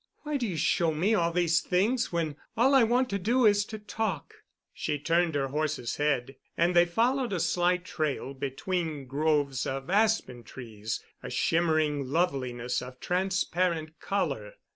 Why do you show me all these things when all I want to do is to talk?" She turned her horse's head, and they followed a slight trail between groves of aspen trees, a shimmering loveliness of transparent color.